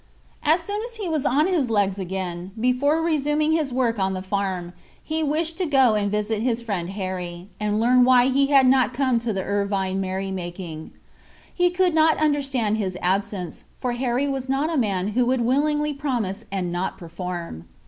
As soon as he was on his legs again, before resuming his work on the farm, he wished to go and visit his friend Harry, and learn why he had not come to the Irvine merry making. He could not understand his absence, for Harry was not a man who would willingly promise and not perform.